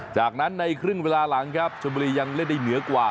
จากนั้นในครึ่งเวลาหลังครับชมบุรียังเล่นได้เหนือกว่า